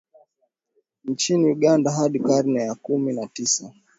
nchini Uganda hadi karne ya kumi na tisa